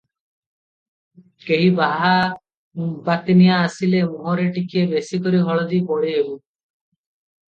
କେହି ବାହା ବାତିନିଆ ଆସିଲେ ମୁହଁରେ ଟିକିଏ ବେଶି କରି ହଳଦୀ ବୋଳି ହେବୁ ।